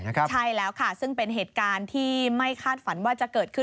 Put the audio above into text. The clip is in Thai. ใช่แล้วค่ะซึ่งเป็นเหตุการณ์ที่ไม่คาดฝันว่าจะเกิดขึ้น